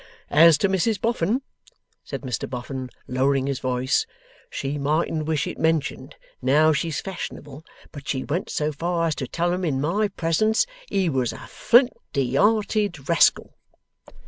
As to Mrs Boffin,' said Mr Boffin lowering his voice, 'she mightn't wish it mentioned now she's Fashionable, but she went so far as to tell him, in my presence, he was a flinty hearted rascal.